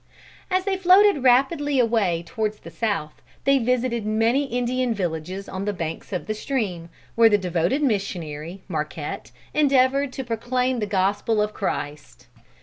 As they floated rapidly away towards the south they visited many Indian villages on the banks of the stream, where the devoted missionary, Marquette, endeavored to proclaim the gospel of Christ.